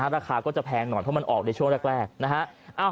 ราคาก็จะแพงหน่อยเพราะมันออกในช่วงแรกนะฮะ